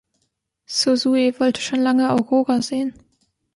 Suzui wollte schon lange Aurora sehen.